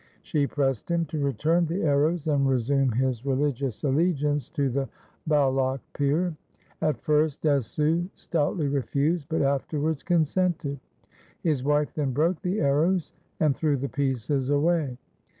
She pressed him to return the arrows and resume his religious .allegiance to the Baloch Pir. At first Desu stoutly refused, but afterwards consented. His wife then broke the arrows and threw the pieces away.